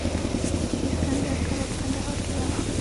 د اسکندر کلا په کندهار کې وه